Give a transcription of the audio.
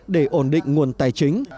để ổn định nguồn tài chính